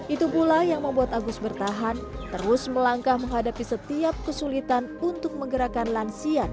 itu pula yang membuat agus bertahan terus melangkah menghadapi setiap kesulitan untuk menggerakkan lansia